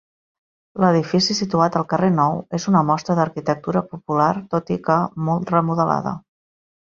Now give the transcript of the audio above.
L'edifici situat al carrer Nou és una mostra d'arquitectura popular tot i que molt remodelada.